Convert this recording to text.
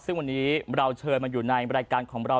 ซึ่งวันนี้เราเชิญมาอยู่ในรายการของเรา